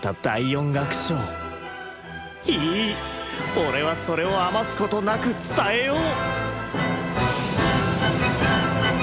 俺はそれを余すことなく伝えよう！